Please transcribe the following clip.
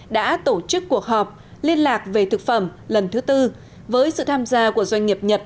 đã tổ chức cuộc họp liên lạc về thực phẩm lần thứ tư với sự tham gia của doanh nghiệp nhật